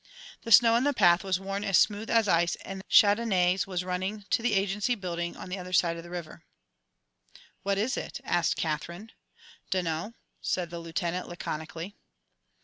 The snow on the path was worn as smooth as ice and Chandonnais was running to the Agency building on the other side of the river. "What is it?" asked Katherine. "Dunno," said the Lieutenant, laconically.